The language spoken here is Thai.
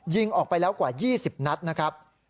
ยิงออกไปแล้วกว่า๒๐นัดนะครับ